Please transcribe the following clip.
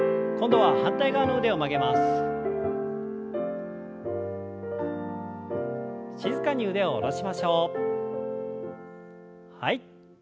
はい。